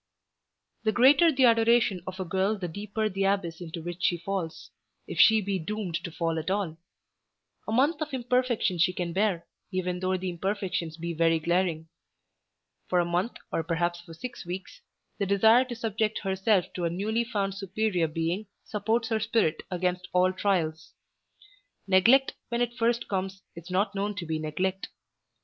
The greater the adoration of the girl the deeper the abyss into which she falls, if she be doomed to fall at all. A month of imperfection she can bear, even though the imperfections be very glaring. For a month, or perhaps for six weeks, the desire to subject herself to a newly found superior being supports her spirit against all trials. Neglect when it first comes is not known to be neglect.